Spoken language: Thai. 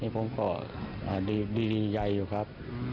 ผมก็ดีใจอยู่ครับ